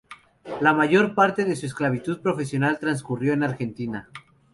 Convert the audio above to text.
La mayor parte de su actividad profesional transcurrió en Argentina.